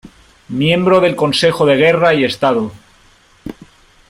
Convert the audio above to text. Miembro del Consejo de Guerra y Estado.